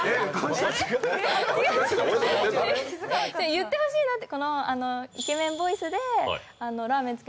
言ってほしいなって。